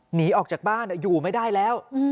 หนีออกจากบ้านอยู่ไม่ได้แล้ว